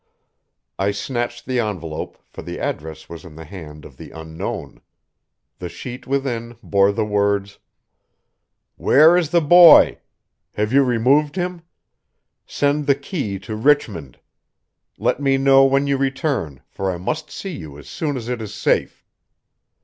I snatched the envelope, for the address was in the hand of the Unknown. The sheet within bore the words: "Where is the boy? Have you removed him? Send the key to Richmond. Let me know when you return, for I must see you as soon as it is safe."